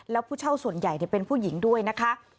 แล้วผู้เช่าส่วนใหญ่เป็นผู้หญิงด้วยนะคะ